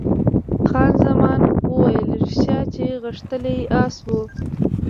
خان زمان وویل، ریښتیا چې غښتلی اس وو.